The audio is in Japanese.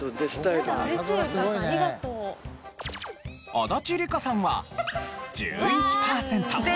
足立梨花さんは１１パーセント。